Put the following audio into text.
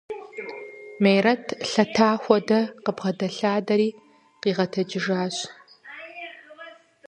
Мерэт, лъэта хуэдэ къыбгъэдэлъадэри къигъэтэджыжащ.